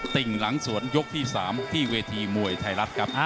ติ่งหลังสวนยกที่๓ที่เวทีมวยไทยรัฐครับ